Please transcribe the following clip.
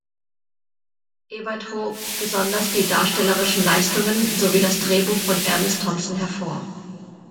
Ebert hob besonders die darstellerischen Leistungen sowie das Drehbuch von Ernest Thompson hervor.